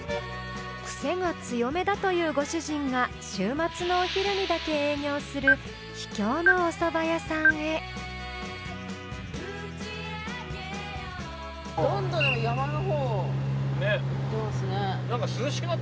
癖が強めだというご主人が週末のお昼にだけ営業する秘境のおそば屋さんへどんどん山のほう行きますね。